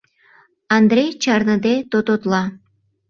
Андрей чарныде тототла.